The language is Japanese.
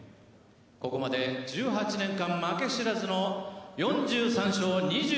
ここまで１８年間負け知らずの４３勝２３ＫＯ